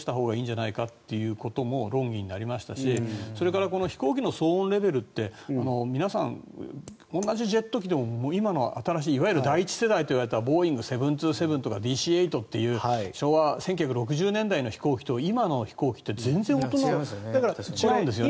ですから、国内線なら降ろしたほうがいいのではとも論議になりましたし飛行機の騒音レベルって皆さん同じジェット機でも今の新しいいわゆる第１世代といわれたボーイング７２７とか１９６０年代の飛行機と今の飛行機って全然音が違うんですよね。